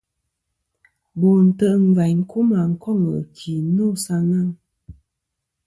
Bo ntè' ngvaynkuma koŋ ghɨki no sa ghaŋ.